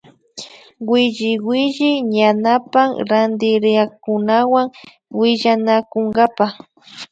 Williwilli yanapan rantiriakkunawan willanakunkapa